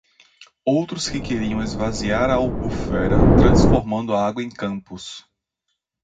Outros que queriam esvaziar a Albufera transformando a água em campos!